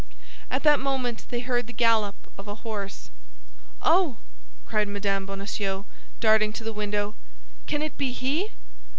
At that moment they heard the gallop of a horse. "Oh!" cried Mme. Bonacieux, darting to the window, "can it be he?"